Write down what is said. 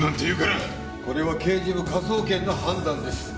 これは刑事部科捜研の判断です。